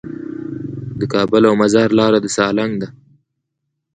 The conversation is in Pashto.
د کابل او مزار لاره د سالنګ ده